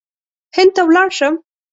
هند ته ولاړ شم.